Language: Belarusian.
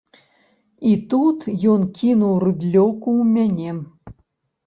І тут ён кінуў рыдлёўку ў мяне.